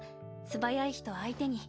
素早い人相手に。